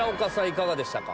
いかがでしたか？